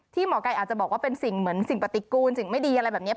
หมอไก่อาจจะบอกว่าเป็นสิ่งเหมือนสิ่งปฏิกูลสิ่งไม่ดีอะไรแบบนี้